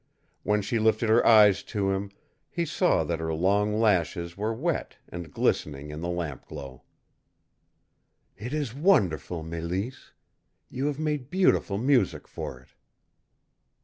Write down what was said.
When she lifted her eyes to him, he saw that her long lashes were wet and glistening in the lamp glow. "It is wonderful, Mélisse! You have made beautiful music for it."